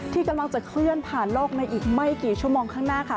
ที่กำลังจะเคลื่อนผ่านโลกในอีกไม่กี่ชั่วโมงข้างหน้าค่ะ